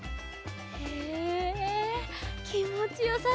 へえきもちよさそう。